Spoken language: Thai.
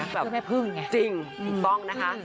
แบบแม่พึ่งเนี่ยจริงปลิ๊กป้องนะคะ